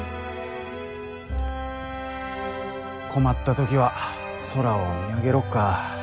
「困った時は空を見上げろ」か。